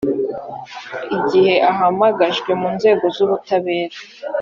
igihe ahamagajwe mu nzego z’ubutabera